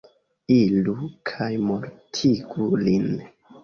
Iru kaj mortigu lin.